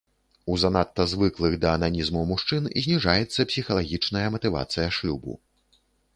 У занадта звыклых да ананізму мужчын зніжаецца псіхалагічная матывацыя шлюбу.